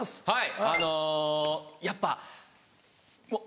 はい。